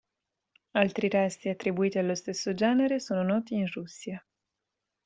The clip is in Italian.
Altri resti attribuiti allo stesso genere sono noti in Russia.